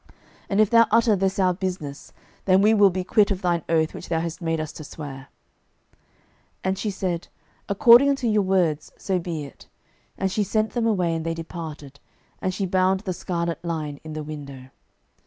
06:002:020 And if thou utter this our business, then we will be quit of thine oath which thou hast made us to swear. 06:002:021 And she said, According unto your words, so be it. And she sent them away, and they departed: and she bound the scarlet line in the window.